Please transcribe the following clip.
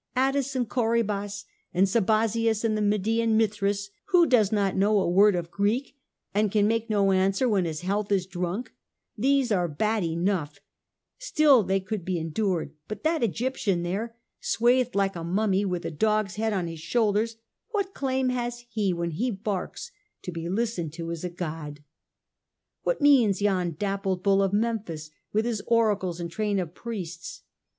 'Attis and Corybas and Sabazius, and the Median Mithras, who does not know a word of Greek and can make no answer when his health is drunk, these are bad enough ; still they could be en dured ; but that Egyptian there, swathed like a mummy, with a dog^s head on his shoulders, what claim has he, when he barks, to be listened to as a god? What means yon dappled bull of Memphis, with his oracles and train of priests